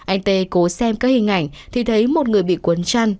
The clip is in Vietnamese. anh tê cố xem các hình ảnh thì thấy một người bị cuốn chăn